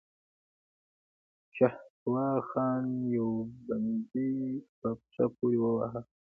شهسوار خان يو بندي په پښه پورې واهه.